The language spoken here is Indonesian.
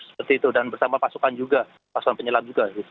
seperti itu dan bersama pasukan juga pasukan penyelam juga